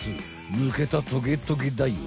ぬけたトゲトゲだよ。